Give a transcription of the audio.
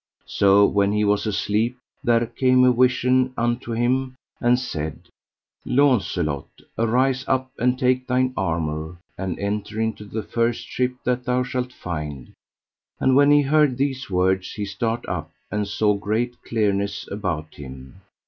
So when he was asleep there came a vision unto him and said: Launcelot, arise up and take thine armour, and enter into the first ship that thou shalt find. And when he heard these words he start up and saw great clearness about him.